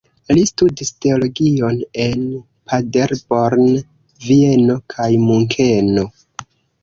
Li studis teologion en Paderborn, Vieno kaj Munkeno.